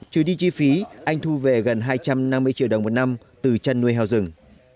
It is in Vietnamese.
trừ đi chi phí anh thu về gần hai trăm năm mươi triệu đồng một năm từ chăn nuôi heo rừng